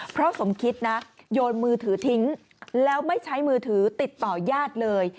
เพราะสมคิดนะโยนมือถือทิ้งแล้วไม่ใช้มือถือติดต่อญาติเลย